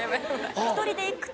１人で行くと。